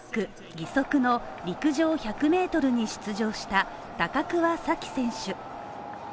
義足の陸上１００Ｍに出場した高桑早生選手